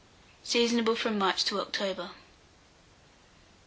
Seasonable from March to October.